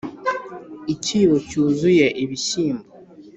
- ikibo cyuzuye ibishyimbo.